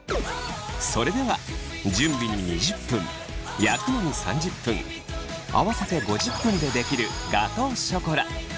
それでは準備に２０分焼くのに３０分合わせて５０分でできるガトーショコラ。